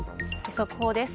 速報です。